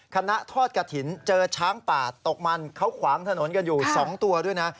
คณะทอดกระถิ่นเจอช้างป่าตกมันเขาขวางถนนกันอยู่๒ตัวด้วยนะ